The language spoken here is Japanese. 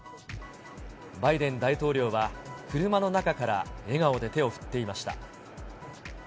バイデン大統領は車の中から笑顔で手を振っていました。